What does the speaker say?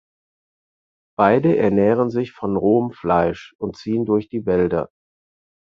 Beide ernähren sich von rohem Fleisch und ziehen durch die Wälder.